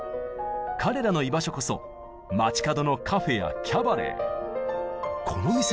彼らの居場所こそ街角のカフェやキャバレー。